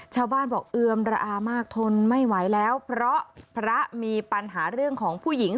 ชาวบ้านบอกเอือมระอามากทนไม่ไหวแล้วเพราะพระมีปัญหาเรื่องของผู้หญิง